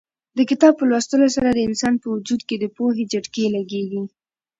د کتاب په لوستلو سره د انسان په وجود کې د پوهې جټکې لګېږي.